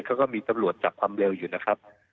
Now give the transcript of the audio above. เขาก็มีตำรวจจับความเร็วอยู่นะครับ